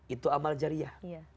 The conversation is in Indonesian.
itu amal jariah